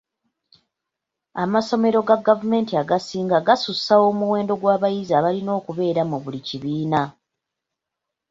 Amasomero ga gavumenti agasinga gasussa omuwendo gw'abayizi abalina okubeera mu buli kibiina.